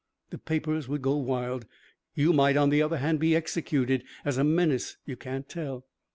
The papers would go wild. You might, on the other hand, be executed as a menace. You can't tell."